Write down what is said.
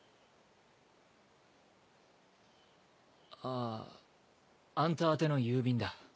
ああんた宛ての郵便だ。